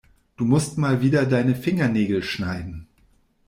Du musst mal wieder deine Fingernägel schneiden.